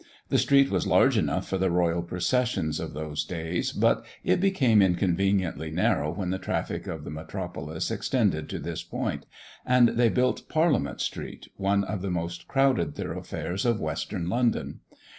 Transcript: The street was large enough for the royal processions of those days, but it became inconveniently narrow when the traffic of the metropolis extended to this point, and they built Parliament street, one of the most crowded thoroughfares of western London.